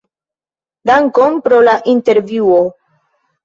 Dankon pro la intervjuo!